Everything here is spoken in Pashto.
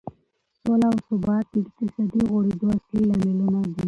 سوله او ثبات د اقتصادي غوړېدو اصلي لاملونه دي.